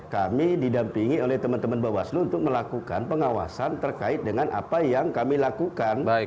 kami didampingi oleh teman teman bawaslu untuk melakukan pengawasan terkait dengan apa yang kami lakukan